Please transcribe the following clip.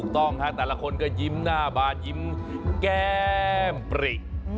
แต่ละคนก็ยิ้มหน้าบานยิ้มแก้มบริ